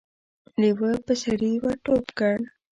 لېوه په سړي ور ټوپ کړ.